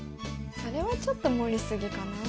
それはちょっと盛り過ぎかなあ？